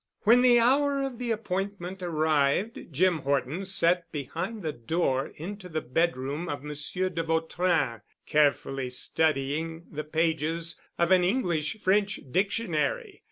When the hour of the appointment arrived, Jim Horton sat behind the door into the bedroom of Monsieur de Vautrin, carefully studying the pages of an English French dictionary.